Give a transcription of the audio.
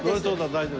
大丈夫。